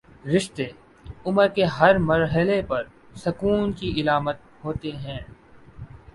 رشتے عمر کے ہر مر حلے پر سکون کی علامت ہوتے ہیں۔